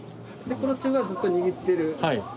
この手はずっと握ってる。